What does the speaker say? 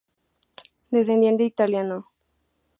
Descendiente italiano.